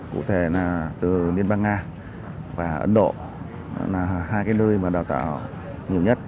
cụ thể là từ liên bang nga và ấn độ là hai nơi đào tạo nhiều nhất